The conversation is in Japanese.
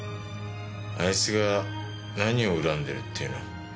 あいつが何を恨んでるって言うの？